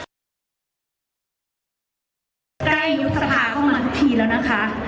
ใกล้ยุทธภาพเข้ามาทุกทีแล้วนะคะ